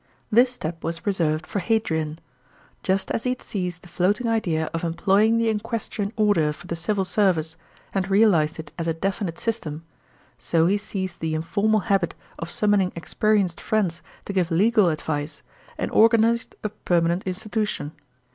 This step was reserved for Hi.drian. Just as he had seized the floating idea of employing th« equestrian order for the civil service, and realised it as a definite system, so he seized the informal babit of summoning experienced friends to give legal 512 THE PRINCIPATE OF HADRIAN. CHAP, xxvi advice, and <»rganised a permanent institution.